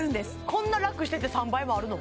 こんなラクしてて３倍もあるの？